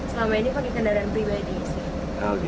selama ini pakai kendaraan pribadi sih